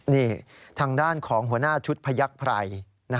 นี่ทางด้านของหัวหน้าชุดพยักษ์ไพร